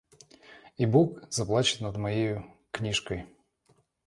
И бог заплачет над моею книжкой!